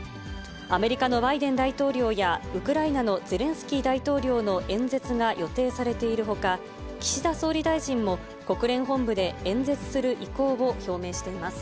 アメリカのバイデン大統領やウクライナのゼレンスキー大統領の演説が予定されているほか、岸田総理大臣も、国連本部で演説する意向を表明しています。